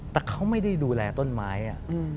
แต่เขาไม่ได้ดูแลต้นไม้อ่ะ